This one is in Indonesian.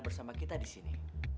bersama kita disini